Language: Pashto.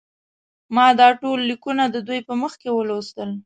ما دا ټول لیکونه د دوی په مخ کې ولوستل.